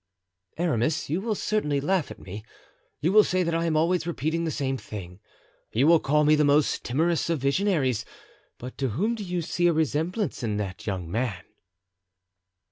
"Aramis, you will certainly laugh at me, you will say that I am always repeating the same thing, you will call me the most timorous of visionaries; but to whom do you see a resemblance in that young man?"